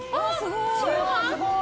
・すごい！